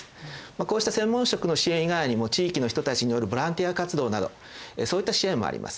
こうした専門職の支援以外にも地域の人たちによるボランティア活動などそういった支援もあります。